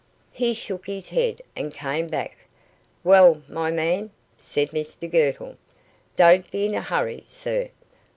He shook his head, and came back. "Well, my man?" said Mr Girtle. "Don't be in a hurry, sir.